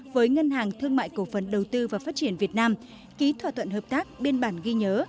với ngân hàng thương mại cổ phần đầu tư và phát triển việt nam ký thỏa thuận hợp tác biên bản ghi nhớ